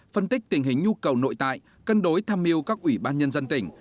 phân tích tình hình nhu cầu nội tại cân đối tham mưu các ủy ban nhân dân tỉnh